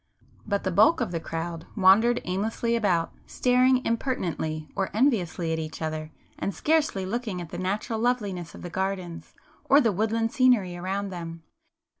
But the bulk of the crowd wandered aimlessly about, staring impertinently or enviously at each other, and scarcely looking at the natural loveliness of the gardens or the woodland scenery around them.